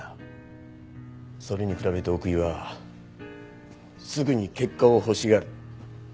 それに比べて奥居はすぐに結果を欲しがる。